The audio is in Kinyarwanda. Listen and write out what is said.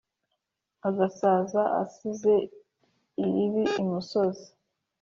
Agasaza asize iribi imusozi.